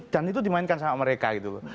dan itu dimainkan sama mereka gitu